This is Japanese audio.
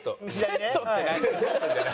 「セット」って何？